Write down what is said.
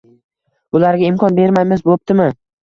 bularga imkon bermaymiz, bo‘ptimi?